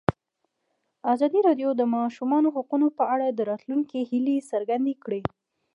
ازادي راډیو د د ماشومانو حقونه په اړه د راتلونکي هیلې څرګندې کړې.